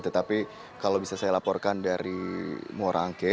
tetapi kalau bisa saya laporkan dari muara angke